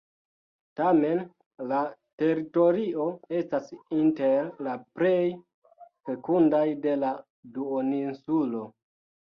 Tamen la teritorio estas inter la plej fekundaj de la duoninsulo.